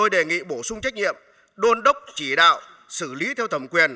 đề nghị bổ sung trách nhiệm đôn đốc chỉ đạo xử lý theo thẩm quyền